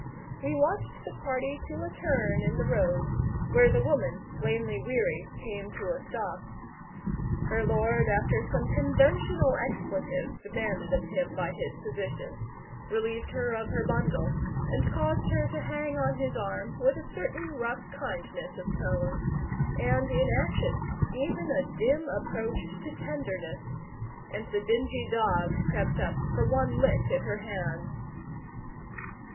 We watched the party to a turn in the road, where the woman, plainly weary, came to a stop. Her lord, after some conventional expletives demanded of him by his position, relieved her of her bundle, and caused her to hang on his arm with a certain rough kindness of tone, and in action even a dim approach to tenderness; and the dingy dog crept up for one lick at her hand.